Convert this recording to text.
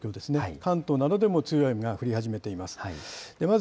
関東などでも強い雨が降り始めています。